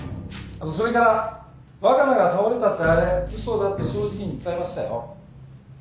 それから若菜が倒れたってあれ嘘だって正直に伝えましたよ。